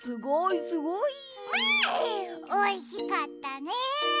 おいしかったね！